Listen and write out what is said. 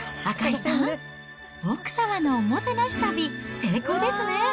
赤井さん、奥様のおもてなし旅、成功ですね。